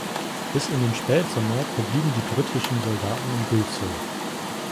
Bis in den Spätsommer verblieben die britischen Soldaten in Gülzow.